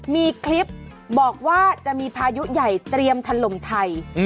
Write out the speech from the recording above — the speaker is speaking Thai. มีคลิปบอกว่าจะมีพายุใหญ่เตรียมถล่มไทย